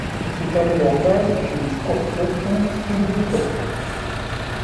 Iles se terminent en pinces chez les scorpions ou pseudoscorpions.